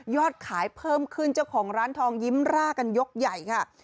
ขายเพิ่มขึ้นเจ้าของร้านทองยิ้มร่ากันยกใหญ่ค่ะ